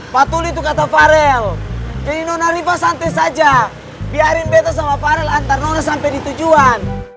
patuli tuh kata farel jadi nona riva santai saja biarin betta sama farel antar nona sampai di tujuan